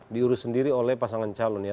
diurus sendiri oleh pasangan calon ya